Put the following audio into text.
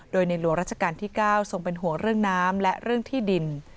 โดยในหลวงราชการที่๙ทรงเป็นห่วงเรื่องน้ำและเรื่องที่ดิน